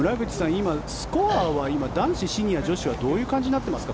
今、スコアは男子、シニア、女子はどういう感じになっていますか？